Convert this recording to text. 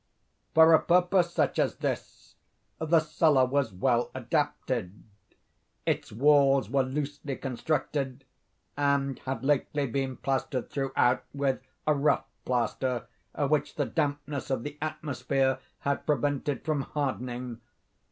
For a purpose such as this the cellar was well adapted. Its walls were loosely constructed, and had lately been plastered throughout with a rough plaster, which the dampness of the atmosphere had prevented from hardening.